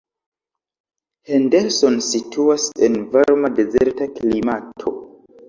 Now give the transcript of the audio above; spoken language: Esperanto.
Henderson situas en varma dezerta klimato.